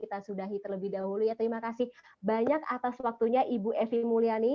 kita sudahi terlebih dahulu ya terima kasih banyak atas waktunya ibu evi mulyani